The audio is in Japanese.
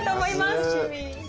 わ楽しみ。